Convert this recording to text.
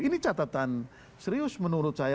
ini catatan serius menurut saya